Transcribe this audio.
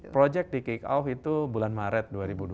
proyek di kick off itu bulan maret